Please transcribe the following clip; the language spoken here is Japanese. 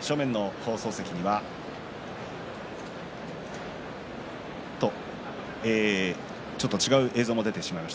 正面の放送席にはちょっと違う映像も出てしまいました。